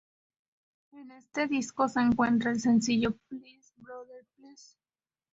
En este disco se encuentra el sencillo "Peace Brother Peace".